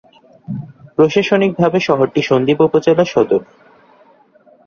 প্রশাসনিকভাবে শহরটি সন্দ্বীপ উপজেলার সদর।